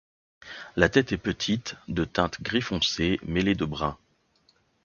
La tête est petite, de teinte gris foncé mêlé de brun.